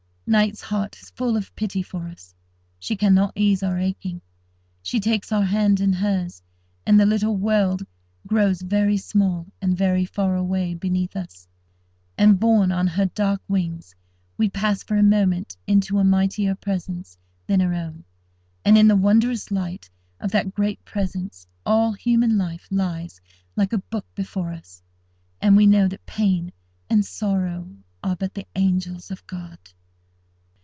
Night's heart is full of pity for us: she cannot ease our aching; she takes our hand in hers, and the little world grows very small and very far away beneath us, and, borne on her dark wings, we pass for a moment into a mightier Presence than her own, and in the wondrous light of that great Presence, all human life lies like a book before us, and we know that Pain and Sorrow are but the angels of God.